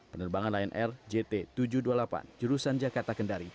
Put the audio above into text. penerbangan anr jt tujuh ratus dua puluh delapan jurusan jakarta kendari gagal